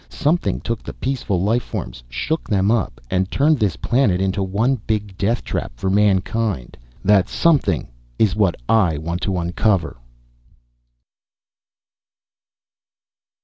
Something took the peaceful life forms, shook them up, and turned this planet into one big deathtrap for mankind. That something is what I want to uncover."